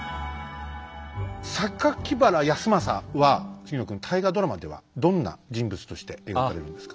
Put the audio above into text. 原康政は杉野君大河ドラマではどんな人物として描かれるんですか？